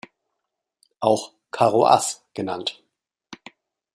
Auch Karo-As genannt.